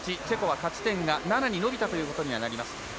チェコは勝ち点７に伸びたということにはなります。